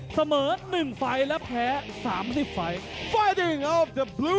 เสมอ๑ไฟล์และแพ้๓๐ไฟล์